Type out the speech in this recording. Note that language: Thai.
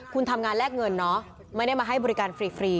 คุณทำงานแลกเงินเนอะไม่ได้มาให้บริการฟรี